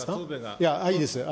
いや、いいです。